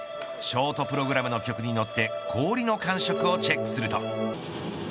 ショートプログラムの曲にのって氷の感触をチェックすると。